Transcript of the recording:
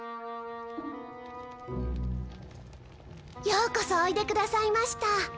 ようこそおいでくださいました。